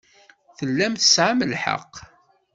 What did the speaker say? Tellam tesɛam lḥeqq.